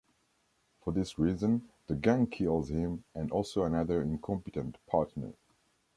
For this reason, the gang kills him and also another incompetent partner.